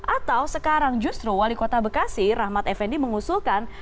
atau sekarang justru wali kota bekasi rahmat effendi mengusulkan